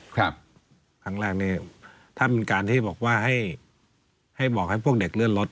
ครั้งแรกนี้ถ้ามันการที่บอกว่าให้พวกเด็กเลื่อนรถ